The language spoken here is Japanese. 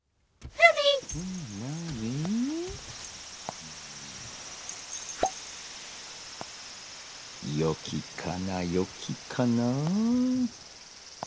よきかなよきかな。